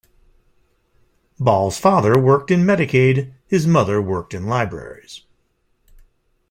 Ball's father worked in Medicaid; his mother worked in libraries.